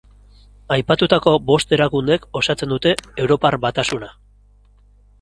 Aipatutako bost erakundeek osatzen dute Europar Batasuna.